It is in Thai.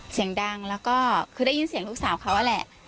เสียงดังแล้วก็คือได้ยินเสียงลูกสาวเขานั่นแหละ